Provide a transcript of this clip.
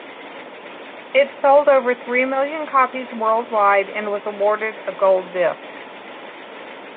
It sold over three million copies worldwide, and was awarded a gold disc.